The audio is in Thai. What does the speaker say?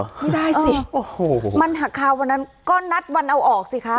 ไม่ได้สิโอ้โหมันหักคาวันนั้นก็นัดวันเอาออกสิคะ